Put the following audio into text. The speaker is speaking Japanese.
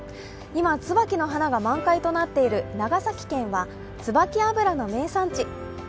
今、つばきの花が満開となっている長崎県は、つばき油の名産地。